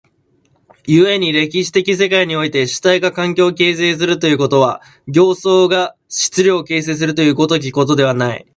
故に歴史的世界において主体が環境を形成するということは、形相が質料を形成するという如きことではない。